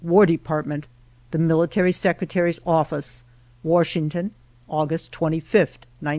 War Dapartment, The Military Secretary's Office, Washington, August 25th, 1905.